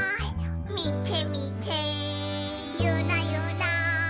「みてみてユラユラ」